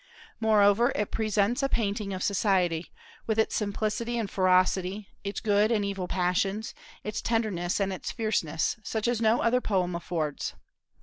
Moreover it presents a painting of society, with its simplicity and ferocity, its good and evil passions, its tenderness and its fierceness, such as no other poem affords.